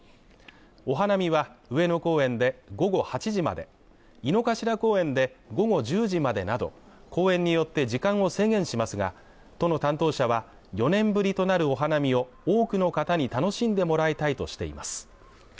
お花見は上野公園で午後８時まで、井の頭公園で午後１０時までなど、公園によって時間を制限しますが都の担当者は４年ぶりとなるお花見を多くの方に楽しんでもらいたいとしています。